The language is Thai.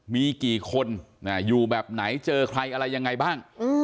มีกี่คนอยู่แบบไหนเจอใครอะไรยังไงบ้าง